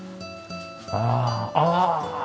あああっ！